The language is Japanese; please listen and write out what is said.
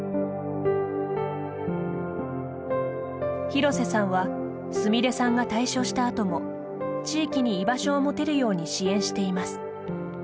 廣瀬さんはすみれさんが退所した後も地域に居場所を持てるように支援しています。